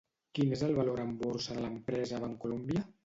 Quin és el valor en borsa de l'empresa Bancolombia?